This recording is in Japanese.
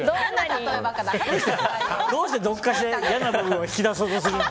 どうしてどこかしら嫌な部分を引き出そうとするの？